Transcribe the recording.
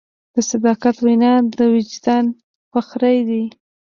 د صداقت وینا د وجدان فخر دی.